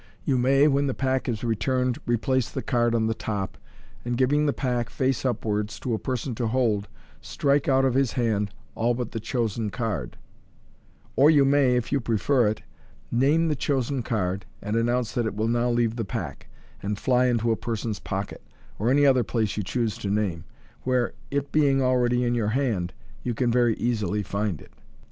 You may, when the pack is returned replace the card on the top, and giving the pack, face up wards, to a person to hold, strike out of his hand all but the chosen card {see page 44) j or you may, if you prefer it, name the chosen card, and announce that it will now leave the pack, and fly into a person's pocket, or any other place you choose to name, where, it being already in your hand, you can very easily find it.